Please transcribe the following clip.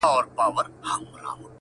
خو دومره پام ورته نه دی شوی